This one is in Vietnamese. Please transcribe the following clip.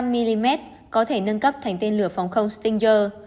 ba mươi năm mm có thể nâng cấp thành tên lửa phòng không stinger